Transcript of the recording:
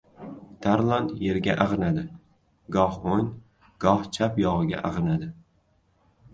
Tarlon yerga ag‘nadi. Goh o‘ng, goh chap yog‘iga ag‘nadi.